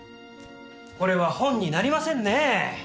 これは本になりませんねえ。